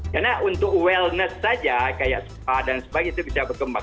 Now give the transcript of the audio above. karena untuk wellness saja kayak spa dan sebagainya itu bisa berkembang